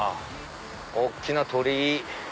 大きな鳥居。